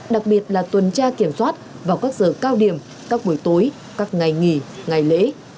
đặc biệt là tuần tra kiểm soát vào các giờ cao điểm các buổi tối các ngày nghỉ ngày lễ